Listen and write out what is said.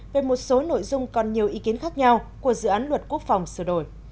về một số nội dung còn nhiều ý kiến khác nhau của dự án luật quốc phòng sửa đổi